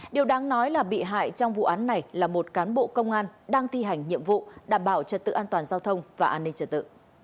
điều đáng nói là bị hại trong vụ án này là một cán bộ công an đang thi hành nhiệm vụ đảm bảo trật tự an toàn giao thông và an ninh trật tự